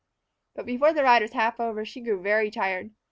But before the ride was half over she grew very tired.